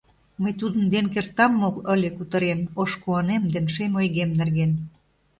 Мый тудын ден кертам мо ыле кутырен Ош куанем ден шем ойгем нерген?